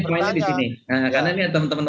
perlu tanya nah karena ini teman teman